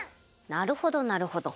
なるほどなるほど！